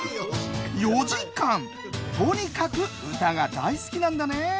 とにかく歌が大好きなんだね。